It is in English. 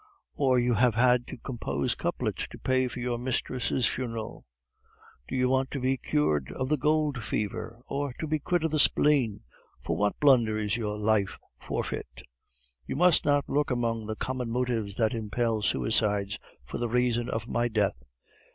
Or you have had to compose couplets to pay for your mistress' funeral? Do you want to be cured of the gold fever? Or to be quit of the spleen? For what blunder is your life forfeit?" "You must not look among the common motives that impel suicides for the reason of my death.